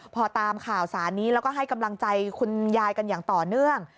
พอตามข่าวสารนี้แล้วก็ให้กำลังใจคุณยายกันอย่างต่อเนื่อง